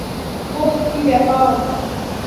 বোহ, কী ব্যাপার?